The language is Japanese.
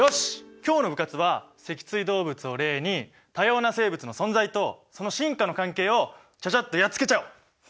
今日の部活は脊椎動物を例に多様な生物の存在とその進化の関係をチャチャッとやっつけちゃおう！